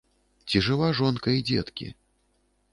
Цi жыва жонка i дзеткi...